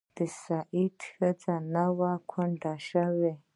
د سعد ښځې نه وې کونډې شوې.